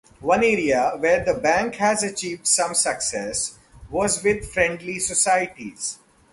One area where the Bank had achieved some success was with friendly societies.